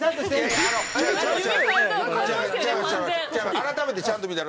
改めてちゃんと見たら。